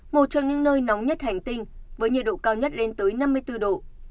một trong những nơi nóng nhất hành tinh với nhiệt độ cao nhất lên tới năm mươi bốn độ